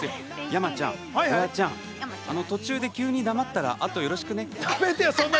山ちゃん、フワちゃん途中で急に黙ったら、あとはよろしくね。